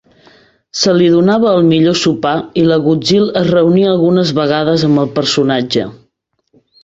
Se li donava el millor sopar i l'agutzil es reunia algunes vegades amb el personatge.